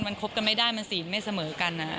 มันคบกันไม่ได้มันศีลไม่เสมอกัน